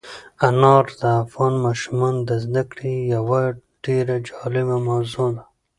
انار د افغان ماشومانو د زده کړې یوه ډېره جالبه موضوع ده.